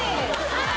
はい！